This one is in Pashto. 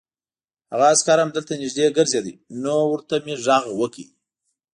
هغه عسکر همدلته نږدې ګرځېد، نو ورته مې غږ وکړ.